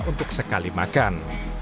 untuk sekali makan